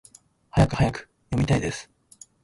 はやくはやく！読みたいです！